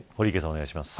お願いします。